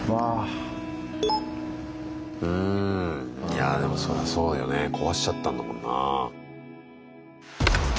いやでもそらそうよね壊しちゃったんだもんな。